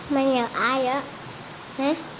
mày nhờ ai vậy